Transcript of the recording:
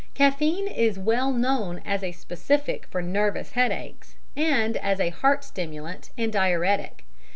Caffein is well known as a specific for nervous headaches, and as a heart stimulant and diuretic.